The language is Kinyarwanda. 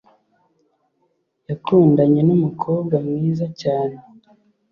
yakundanye n'umukobwa mwiza cyane